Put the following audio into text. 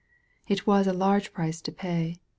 It was a large price to pay.